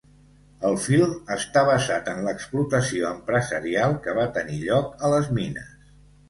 El film està basat en l'explotació empresarial que va tenir lloc a les mines.